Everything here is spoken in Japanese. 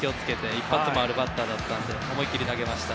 一発もあるバッターだったので思い切り投げました。